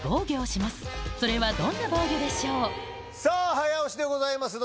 早押しでございますどんどん。